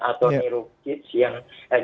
atau niru kits yang